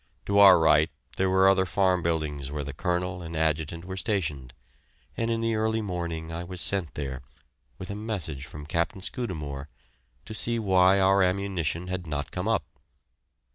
To our right there were other farm buildings where the Colonel and Adjutant were stationed, and in the early morning I was sent there with a message from Captain Scudamore, to see why our ammunition had not come up.